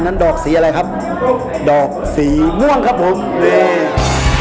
นั้นดอกสีอะไรครับดอกสีม่วงครับผมเออเอาล่ะตอนนี้นะครับ